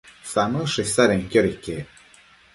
Samëdsho isadenquioda iquec